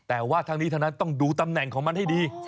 แต่ว่าทั้งนี้ทั้งนั้นต้องดูตำแหน่งของมันให้ดี